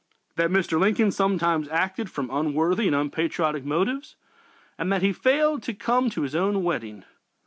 that Mr. Lincoln sometimes acted from unworthy and unpatriotic motives, and that he failed to come to his own wedding.